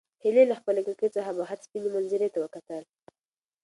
هیلې له خپلې کړکۍ څخه بهر سپینې منظرې ته وکتل.